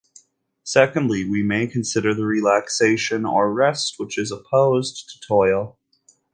Secondly, we may consider the relaxation or rest which is opposed to toil.